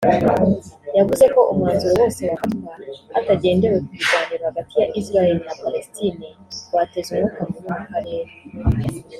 yavuze ko umwanzuro wose wafatwa hatagendewe ku biganiro hagati ya Israel na Palestine wateza umwuka mubi mu karere